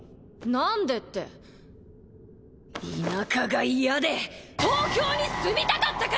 なんでって田舎が嫌で東京に住みたかったから！